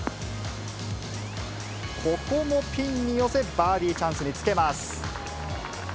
ここもピンに寄せ、バーディーチャンスにつけます。